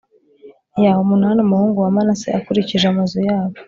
ntiyaha umunani umuhungu wa manase, akurikije amazu yabo